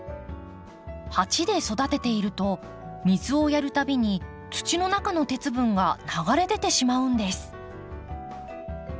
鉢で育てていると水をやる度に土の中の鉄分が流れ出てしまうんです。